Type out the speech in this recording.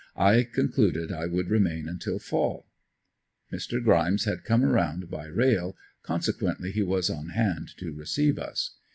I concluded I would remain until fall. Mr. Grimes had come around by rail, consequently he was on hand to receive us.